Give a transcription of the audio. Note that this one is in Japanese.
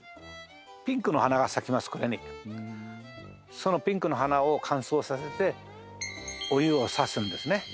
そのピンクの花を乾燥させてお湯を差すんですね。